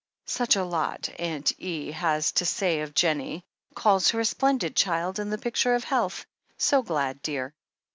Such a lot Aunt E. has to say of Jennie— calls her a splendid child and the picture of health. So glad, dear."